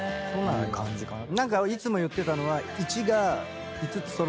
何かいつも言ってたのは。